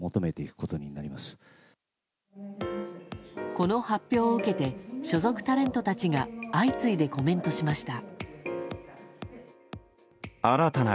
この発表を受けて所属タレントたちが相次いでコメントしました。